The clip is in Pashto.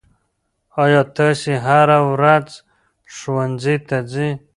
آیا تاسې هره ورځ ښوونځي ته ځئ؟